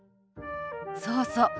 そうそう。